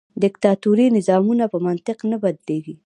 دیکتاتوري نظامونه په منطق نه بدلیږي.